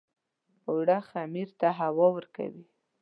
اوړه خمیر ته هوا ورکوي